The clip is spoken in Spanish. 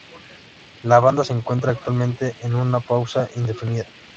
La banda se encuentra actualmente en una pausa indefinida.